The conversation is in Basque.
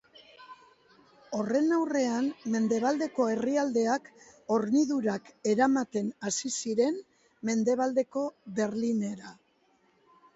Horren aurrean, mendebaldeko herrialdeak hornidurak eramaten hasi ziren Mendebaldeko Berlinera.